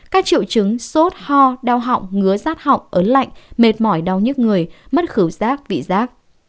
các triệu chứng sốt ho đau họng ngứa rát họng ớn lạnh mệt mỏi đau nhức người mất khử rác bị rác